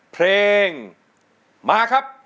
เพลงมาครับ